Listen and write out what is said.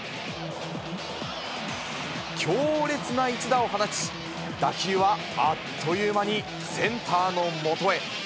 強烈な一打を放ち、打球はあっという間にセンターのもとへ。